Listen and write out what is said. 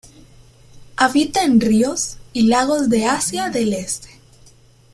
Habita en ríos y lagos de Asia del Este.